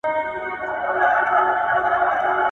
له کوهي څخه چي هر څونه اوبه را کاږې، هغونه ئې اوبه ډېرېږي.